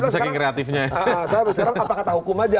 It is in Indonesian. saya berserang apa kata hukum aja